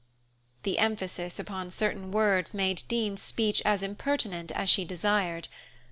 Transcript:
The emphasis upon certain words made Dean's speech as impertinent as she desired.